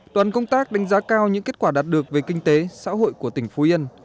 đoàn công tác đánh giá cao những kết quả đạt được về kinh tế xã hội của tỉnh phú yên